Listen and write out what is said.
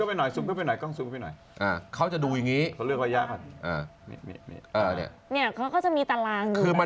เอากล้องมาตรงจับตรงเวลาไปใจชัดดูภาพ